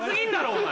お前。